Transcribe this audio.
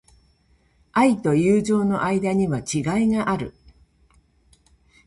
愛と友情の間には違いがある。